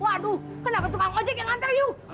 waduh kenapa tukang ojek yang ngantar yuk